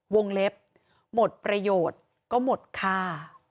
วงเล็บหมดประโยชน์ก็หมดค่า